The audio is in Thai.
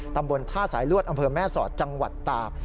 ตำบลท่าสายลวดอำเภอแม่สอดจังหวัดตาก